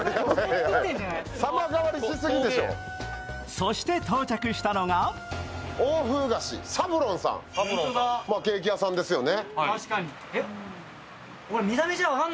そして、到着したのがまあ、ケーキ屋さんですよね